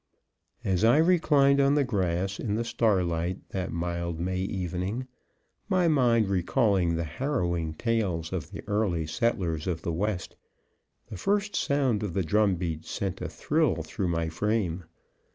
As I reclined on the grass in the starlight that mild May evening, my mind recalling the harrowing tales of the early settlers of the West, the first sound of the drum beat sent a thrill through my frame.